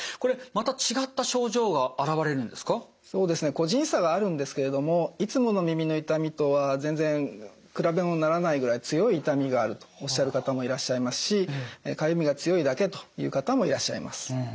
個人差があるんですけれどもいつもの耳の痛みとは全然比べものにならないぐらい強い痛みがあるとおっしゃる方もいらっしゃいますしかゆみが強いだけという方もいらっしゃいます。